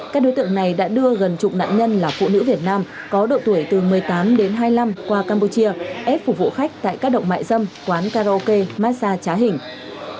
các đối tượng này đã đưa gần chục nạn nhân là phụ nữ việt nam có độ tuổi từ một mươi tám đến hai mươi năm qua campuchia ép phục vụ khách tại các động mại dâm quán karaoke massage trá hình